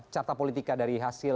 carta politika dari hasil